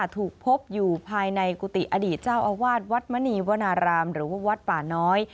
ถูกพบอยู่ภายในกุฏิอดีตเจ้าอาวาสวัดมณีวนารามหรือว่าวัดป่าน้อย